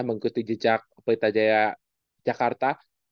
mengikuti jejak pelitajaya jakarta